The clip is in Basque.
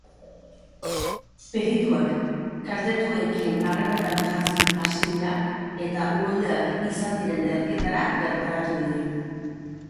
Perituak kaltetuekin harremanetan jartzen hasi dira eta uholdeak izan diren herrietara bertaratu dira.